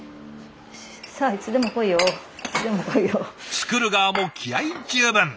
作る側も気合い十分。